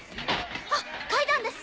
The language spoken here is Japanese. あっ階段です！